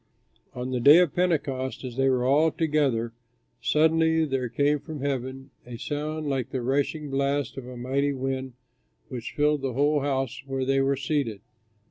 On the Day of Pentecost, as they were all together, suddenly, there came from heaven a sound like the rushing blast of a mighty wind which filled the whole house where they were seated.